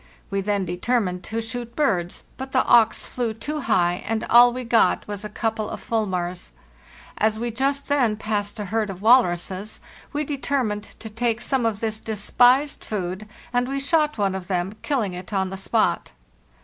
We then determined to shoot birds, but the auks flew too high, and all we got was a couple of fulmars. As we just then passed a herd of walruses we determined to take some of this despised food, and we shot one of them, kill ing it on the spot.